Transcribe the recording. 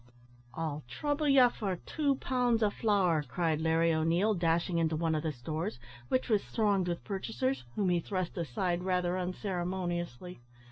"I'll throuble ye for two pounds of flour," cried Larry O'Neil, dashing into one of the stores, which was thronged with purchasers, whom he thrust aside rather unceremoniously.